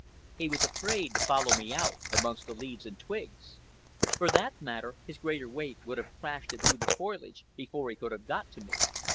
He was afraid to follow me out amongst the leaves and twigs. For that matter, his greater weight would have crashed him through the foliage before he could have got to me.